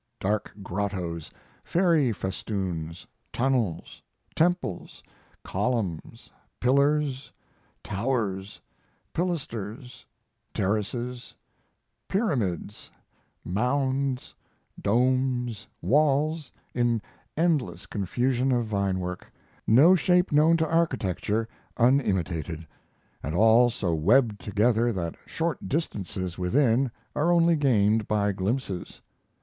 Dark grottos, fairy festoons, tunnels, temples, columns, pillars, towers, pilasters, terraces, pyramids, mounds, domes, walls, in endless confusion of vine work no shape known to architecture unimitated and all so webbed together that short distances within are only gained by glimpses.